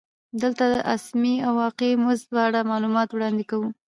دلته د اسمي او واقعي مزد په اړه معلومات وړاندې کوو